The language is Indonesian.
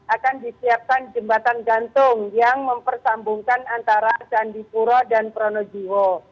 akan disiapkan jembatan gantung yang mempersambungkan antara candipuro dan pronojiwo